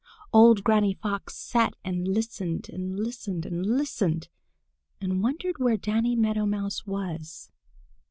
Old Granny Fox sat and listened and listened and listened, and wondered where Danny Meadow Mouse was.